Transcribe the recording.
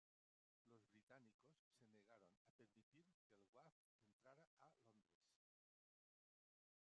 Los británicos se negaron a permitir que el Wafd entrara a Londres.